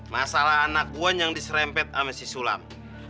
masalah anak gue yang diserempet sama si sulam